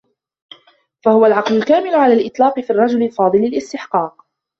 فَهُوَ الْعَقْلُ الْكَامِلُ عَلَى الْإِطْلَاقِ فِي الرَّجُلِ الْفَاضِلِ الِاسْتِحْقَاقِ